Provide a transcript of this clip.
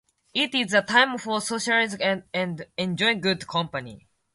It is a time for socializing and enjoying good company.